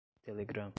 Telegram